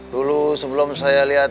dulu sebelum saya lihat